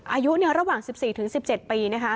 อายุระหว่าง๑๔ถึง๑๗ปี